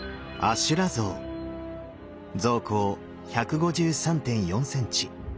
像高１５３．４センチ。